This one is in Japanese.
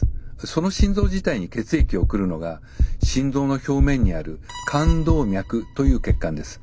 その心臓自体に血液を送るのが心臓の表面にある冠動脈という血管です。